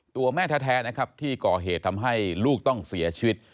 ตัวแม่แท้นะครับที่ก่อเหตุทำให้ลูกต้องเสียชีวิต